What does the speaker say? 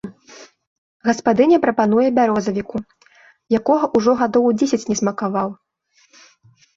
Гаспадыня прапануе бярозавіку, якога ўжо гадоў дзесяць не смакаваў.